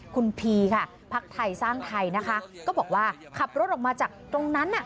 คุณพีค่ะพักไทยสร้างไทยนะคะก็บอกว่าขับรถออกมาจากตรงนั้นน่ะ